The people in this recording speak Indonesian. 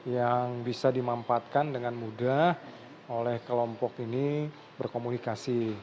yang bisa dimampatkan dengan mudah oleh kelompok ini berkomunikasi